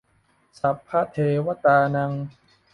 สัพพะเทวะตานัง